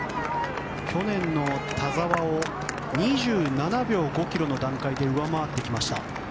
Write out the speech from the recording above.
去年の田澤を２７秒５ｋｍの段階で上回ってきました。